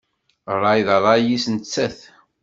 Ṛṛay d ṛṛay-is nettat.